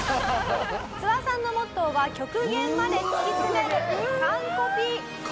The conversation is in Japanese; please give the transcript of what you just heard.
ツワさんのモットーは極限まで突き詰める完コピ。